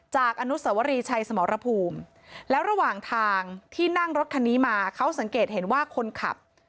อนุสวรีชัยสมรภูมิแล้วระหว่างทางที่นั่งรถคันนี้มาเขาสังเกตเห็นว่าคนขับ